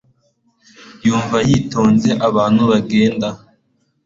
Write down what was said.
yumva yitonze abantu bagenda